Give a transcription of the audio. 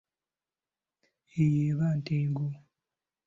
Eyo eba ntengo.